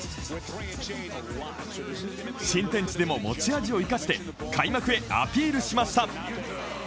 新天地でも持ち味を生かして開幕へアピールしました。